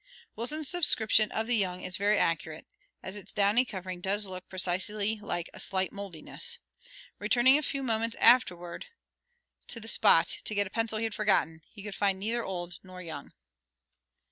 Wilson's description of the young is very accurate, as its downy covering does look precisely like a "slight moldiness." Returning a few moments afterward to the spot to get a pencil he had forgotten, he could find neither old nor young.